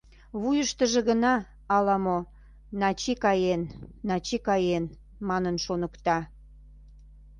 Вуйыштыжо гына ала-мо «Начи каен, Начи каен» манын шоныкта...